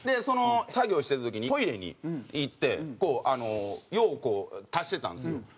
その作業してる時にトイレに行って用を足してたんですよ。